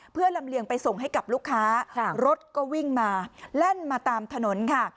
เพื่อลำเลียงไปส่งให้กับลูกค้ารถก็วิ่งมาแล่นมาตามถนนค่ะ